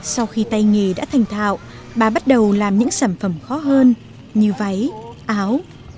sau khi tay nghề đã thành thạo bà bắt đầu làm những sản phẩm khó hơn như váy áo